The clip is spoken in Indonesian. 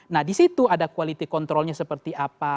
nah disitu ada quality controlnya seperti apa